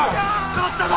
勝ったど！